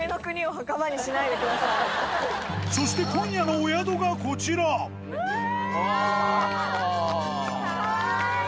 そして今夜のお宿がこちらうわぁ！